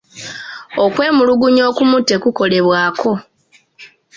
Okwemulugunya okumu tekukolebwako.